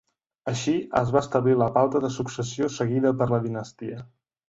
Així, es va establir la pauta de successió seguida per la dinastia.